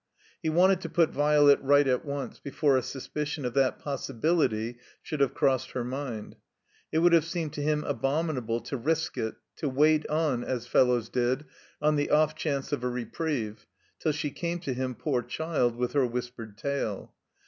He wanted to put Violet right at once, before a suspicion of that possibility should have crossed her mind. It would have seemed to him abominable to risk it, to wait on, as fellows did, on the off chance of a reprieve, till she came to him, poor child, with her whispered tale.